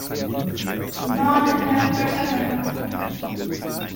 Norn in der »Götterdämmerung«.